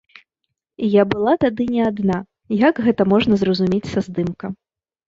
Я была тады не адна, як гэта можна зразумець са здымка.